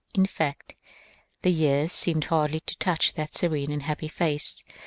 In fact, the years seemed hardly to touch that serene and happy face.